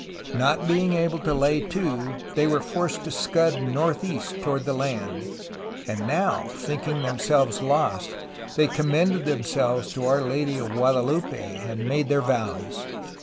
Not being able to lay to, they were forced to scud northeast toward the land; and now, thinking them selves lost, they commended themselves to Our Lady of Guada lupe and made their vows.